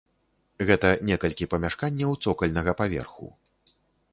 Гэта некалькі памяшканняў цокальнага паверху.